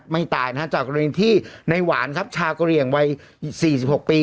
ไม่ตายนะฮะจากกรณีที่ในหวานครับชาวกะเหลี่ยงวัย๔๖ปี